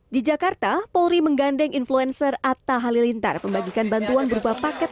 di jakarta polri menggandeng influencer atta halilintar pembagikan bantuan berupa paket